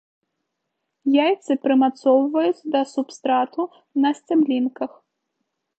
Яйцы прымацоўваюць да субстрату на сцяблінках.